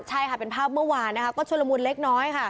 ใช่ค่ะเป็นภาพเมื่อวานต้อนจากชนมุทรเล็กน้อย